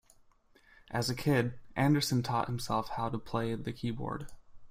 As a kid, Andersson taught himself how to play the keyboard.